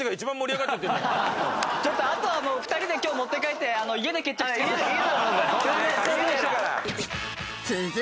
ちょっとあとはもう２人で今日持って帰って家でやろうぜ。